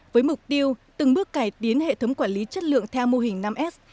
với mục tiêu từng bước cải tiến hệ thống quản lý chất lượng theo mô hình năm s